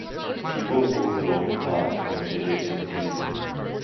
People walk along a path in a village in India.